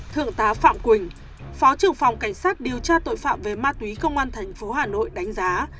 thượng tá phạm quỳnh phó trưởng phòng cảnh sát điều tra tội phạm về ma túy công an tp hà nội đánh giá